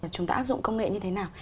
chúng ta áp dụng công nghệ như thế nào